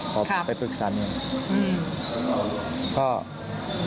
ขอไปปรึกษานกัน